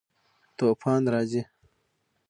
توپان راځي